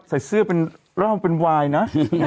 ใส่เสื้อเป็นเหล้าเป็นวายนะ